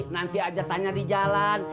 nanti aja tanya di jalan